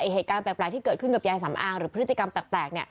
เหตุการณ์แปลกที่เกิดขึ้นกับยายสำอางหรือพฤติกรรมแปลก